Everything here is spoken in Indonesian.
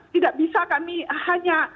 tidak bisa kami hanya